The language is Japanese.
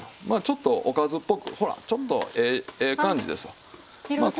まあちょっとおかずっぽくほらちょっとええ感じですわ。